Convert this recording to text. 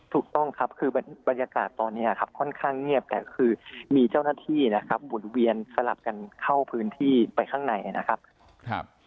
ถูกต้องครับคือบรรยากาศตอนนี้ครับค่อนข้างเงียบแต่คือมีเจ้าหน้าที่นะครับหมุนเวียนสลับกันเข้าพื้นที่ไปข้างในนะครับ